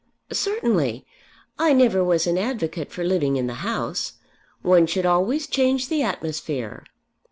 "Certainly. I never was an advocate for living in the House. One should always change the atmosphere."